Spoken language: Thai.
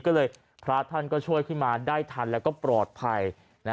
ก็เลยพระท่านก็ช่วยขึ้นมาได้ทันแล้วก็ปลอดภัย